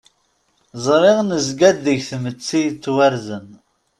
Ẓriɣ nezga-d deg tmetti yettwarzen.